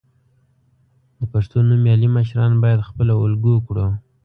د پښتو نومیالي مشران باید خپله الګو کړو.